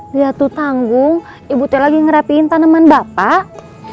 liat tuh tanggung ibu teh lagi ngerapiin taneman bapak